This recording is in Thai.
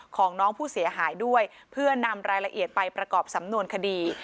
ของน้องผู้เสียหายด้วยเพื่อนำรายละเอียดไปประกอบสำนวนคดี